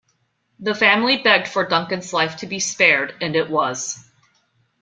The family begged for Duncan's life to be spared and it was.